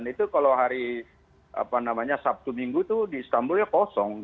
itu kalau hari sabtu minggu itu di istanbul ya kosong